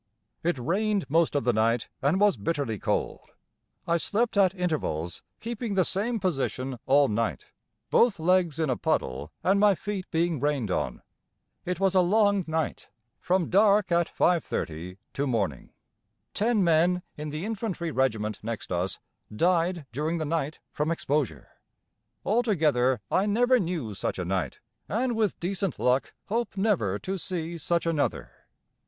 It rained most of the night and was bitterly cold. I slept at intervals, keeping the same position all night, both legs in a puddle and my feet being rained on: it was a long night from dark at 5.30 to morning. Ten men in the infantry regiment next us died during the night from exposure. Altogether I never knew such a night, and with decent luck hope never to see such another.